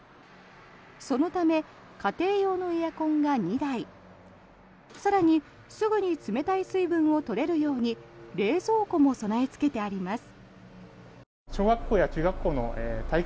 そのため家庭用のエアコンが２台更に、すぐに冷たい水分を取れるように冷蔵庫も備えつけてあります。